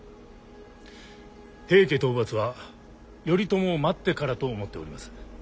平家討伐は頼朝を待ってからと思っております。